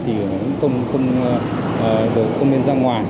thì cũng không nên ra ngoài